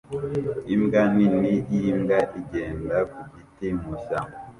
Imbwa nini y'imbwa igenda ku giti mu ishyamba